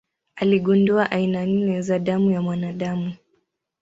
Aligundua aina nne za damu ya mwanadamu.